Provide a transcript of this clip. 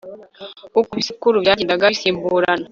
Uko ibisekuru byagendaga bisimburana